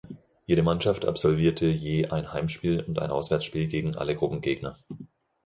Jede Mannschaft absolvierte je ein Heimspiel und ein Auswärtsspiel gegen alle Gruppengegner.